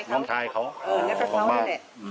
น้องชายเขา